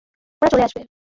ওরা চলে আসবে।